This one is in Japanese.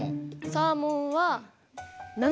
サーモンは７．８。